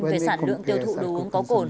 về sản lượng tiêu thụ đồ uống có cồn